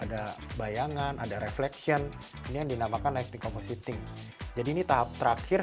ada bayangan ada reflection ini yang dinamakan lighting compositing jadi ini tahap terakhir